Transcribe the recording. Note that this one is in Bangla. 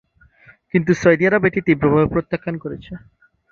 কিন্তু সৌদি আরব এটি তীব্রভাবে প্রত্যাখান করেছে।